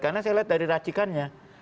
karena saya lihat dari racikannya